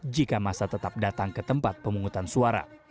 jika masa tetap datang ke tempat pemungutan suara